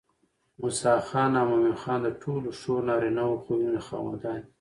موسى خان او مومن خان د ټولو ښو نارينه خويونو خاوندان دي